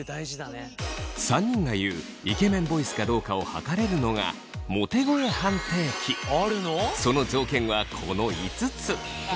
３人が言うイケメンボイスかどうかを測れるのがその条件はこの５つ。